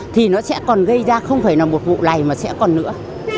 thì nó sẽ còn gây ra không phải là một vụ này mà sẽ còn nữa